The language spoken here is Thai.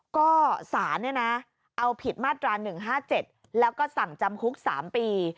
ก็สารเอาผิดมาตรา๑๕๗แล้วก็สั่งจำคุก๓ปี